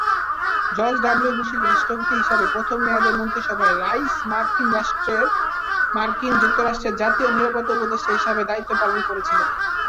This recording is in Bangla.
জর্জ ডব্লিউ বুশের রাষ্ট্রপতি হিসেবে প্রথম মেয়াদের মন্ত্রীসভায় রাইস মার্কিন যুক্তরাষ্ট্রের জাতীয় নিরাপত্তা উপদেষ্টা হিসেবে দায়িত্ব পালন করেছিলেন।